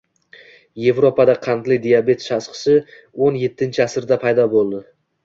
Evropada “qandli diabet” tashxisi o'n yettinchi asrda paydo bo‘ldi